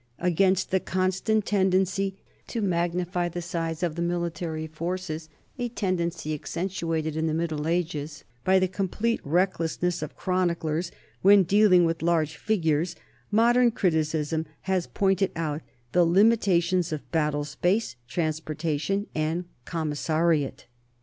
Against the constant tendency to magnify the size of the military forces, a tendency ac~ centuated in the Middle Ages by the complete reck lessness of chroniclers when dealing with large figures, modern criticism has pointed out the limitations of battle space, transportation, and commissariat.